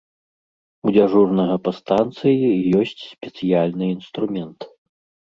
У дзяжурнага па станцыі ёсць спецыяльны інструмент.